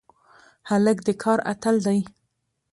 هلک د کار اتل دی.